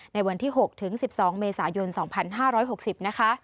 ในวันที่๖ถึง๑๒เมษายน๒๕๖๐นะคะ